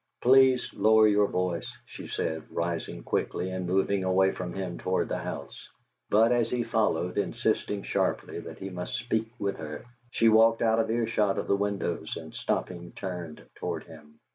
"Please lower your voice," she said, rising quickly and moving away from him toward the house; but, as he followed, insisting sharply that he must speak with her, she walked out of ear shot of the windows, and stopping, turned toward him.